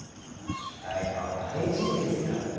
主題歌は大事ですからね。